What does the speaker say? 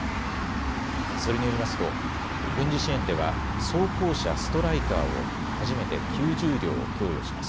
それによりますと軍事支援では装甲車、ストライカーを初めて９０両供与します。